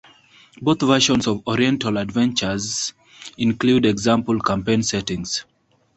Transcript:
Both versions of "Oriental Adventures" include example campaign settings.